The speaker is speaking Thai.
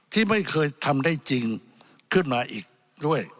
ที่ไม่เคยทำได้จริงขึ้นมาอีกด้วย